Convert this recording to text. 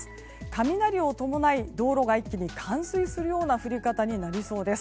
雷を伴い、道路が一気に冠水するような降り方になりそうです。